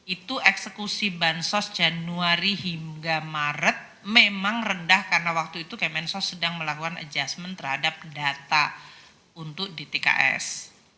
itu eksekusi bansos januari hingga maret memang rendah karena waktu itu kemensos sedang melakukan adjustment terhadap data untuk dtks